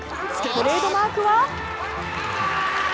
トレードマークは。